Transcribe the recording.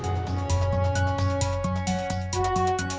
เออ